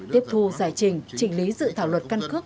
tiếp thu giải trình chỉnh lý dự thảo luật căn cước